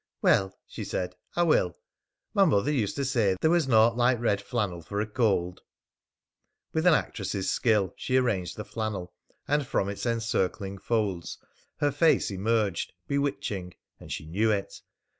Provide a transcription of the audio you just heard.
"Well," she said, "I will. My mother used to say there was naught like red flannel for a cold." With an actress' skill she arranged the flannel, and from its encircling folds her face emerged bewitching and she knew it.